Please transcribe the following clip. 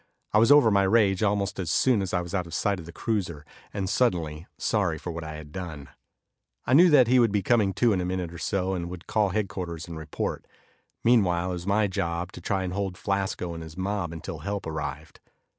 I was over my rage almost as soon as I was out of sight of the cruiser, and suddenly sorry for what I had done. I knew that he would be coming to in a minute or so, and would call headquarters and report. Meanwhile, it was my job to try and hold Flasco and his mob until help arrived.